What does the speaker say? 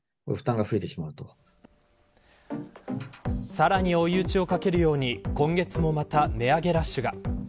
さらに追い討ちをかけるように今月もまた値上げラッシュが。